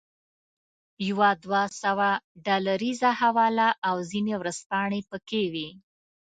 یوه دوه سوه ډالریزه حواله او ځینې ورځپاڼې پکې وې.